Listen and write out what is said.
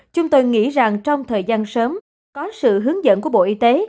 chúng tôi nghĩ rằng trong thời gian sớm có sự hướng dẫn của bộ y tế